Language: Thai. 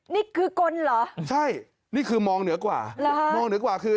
นี่คือกลเหรอใช่นี่คือมองเหนือกว่าเหรอฮะมองเหนือกว่าคือ